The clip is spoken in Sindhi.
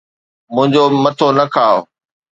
منھنجو مٿو نہ کاءُ